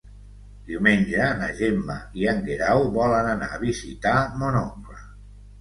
Diumenge na Gemma i en Guerau volen anar a visitar mon oncle.